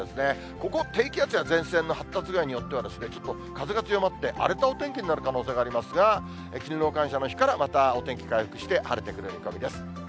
ここ、低気圧や前線の発達具合によっては、ちょっと風が強まって、荒れたお天気になる可能性がありますが、勤労感謝の日からまたお天気回復して、晴れてくる見込みです。